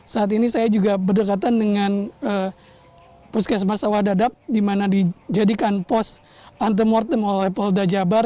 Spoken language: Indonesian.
saat ini saya juga berdekatan dengan puskesmas sawadadap di mana dijadikan pos antemortem oleh polda jabar